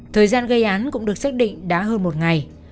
thời gian gây án cũng được xác định đã hơn một ngày